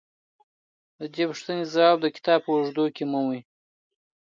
د دې پوښتنې ځواب د کتاب په اوږدو کې مومئ.